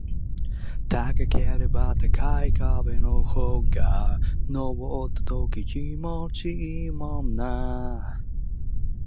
高ければ高い壁の方が登った時気持ちいいもんな